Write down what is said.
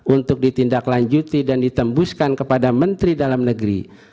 untuk ditindaklanjuti dan ditembuskan kepada menteri dalam negeri